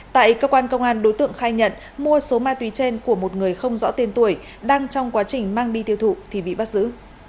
tại cơ quan công an đối tượng khai nhận mua số ma túy trên của một người không rõ tên tuổi đang trong quá trình mang đi tiêu thụ thì bị bắt giữ